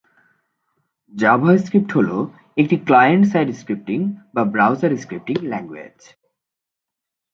JavaScript হল একটি client side scripting বা ব্রাউজার স্ক্রিপ্টিং ল্যাংগুয়েজ।